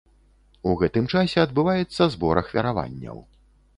У гэтым часе адбываецца збор ахвяраванняў.